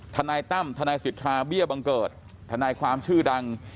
ทนายตั้มทนายสิทธาเบี้ยบังเกิดทนายความชื่อดัง